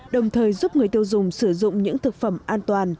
đồng thời giúp người tiêu dùng sử dụng những thực phẩm an toàn